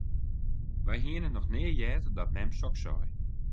Wy hiene noch nea heard dat mem soks sei.